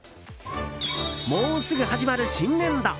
もうすぐ始まる新年度。